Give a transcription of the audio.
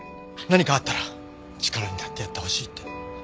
何かあったら力になってやってほしいって。